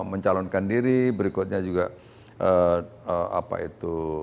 mencalonkan diri berikutnya juga apa itu